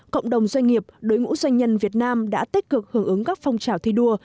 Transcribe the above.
cộng đồng doanh nghiệp đối ngũ doanh nhân việt nam đã tích cực hưởng ứng các phong trào thi đua